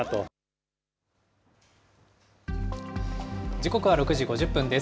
時刻は６時５０分です。